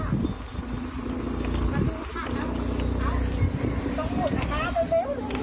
ตรงหุ่นนะคะ